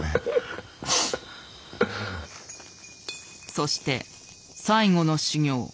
そして最後の修行。